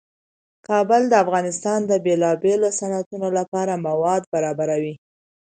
کابل د افغانستان د بیلابیلو صنعتونو لپاره مواد برابروي.